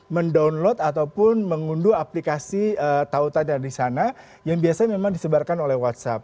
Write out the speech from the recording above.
mendownload ataupun mengunduh aplikasi tautan dari sana yang biasanya memang disebarkan oleh whatsapp